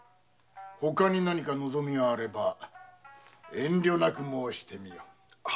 ほかに何か望みあれば遠慮なく申してみよ。